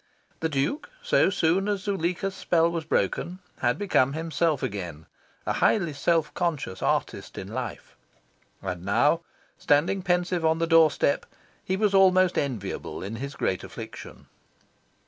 The Duke, so soon as Zuleika's spell was broken, had become himself again a highly self conscious artist in life. And now, standing pensive on the doorstep, he was almost enviable in his great affliction.